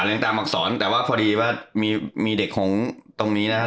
ยังตามอักษรแต่ว่าพอดีว่ามีมีเด็กของตรงนี้นะครับ